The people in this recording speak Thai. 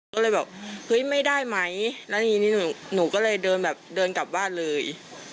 ก็เลยบอกเฮ้ยไม่ได้ไหมแล้วทีนี้หนูก็เลยเดินแบบเดินกลับบ้านเลย